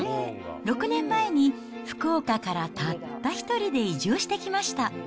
６年前に福岡からたった一人で移住してきました。